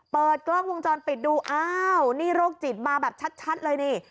เปิดกล้องวงจรปิดดูอ้าวนี่โรคจิตมาแบบชัดเลยนี่